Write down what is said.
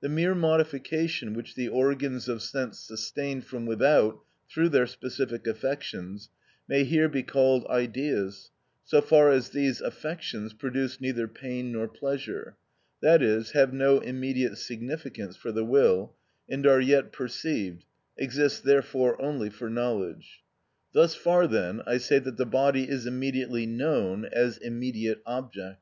The mere modification which the organs of sense sustain from without through their specific affections, may here be called ideas, so far as these affections produce neither pain nor pleasure, that is, have no immediate significance for the will, and are yet perceived, exist therefore only for knowledge. Thus far, then, I say that the body is immediately known, is immediate object.